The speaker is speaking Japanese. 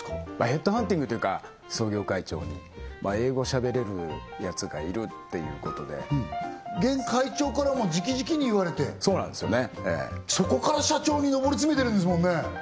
ヘッドハンティングというか創業会長に英語しゃべれるやつがいるっていうことで現会長からもう直々に言われてそうなんですよねええそこから社長に上り詰めてるんですもんね